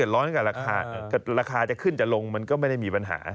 ราคาจะขึ้นจะลงมันก็ไม่ได้มีปัญหา